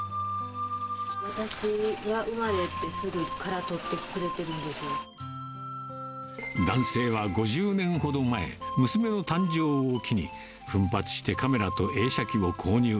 私が生まれてすぐから、男性は５０年ほど前、娘の誕生を機に、奮発してカメラと映写機を購入。